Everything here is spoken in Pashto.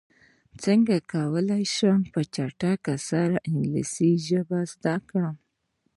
څنګه کولی شم په چټکۍ سره انګلیسي زده کړم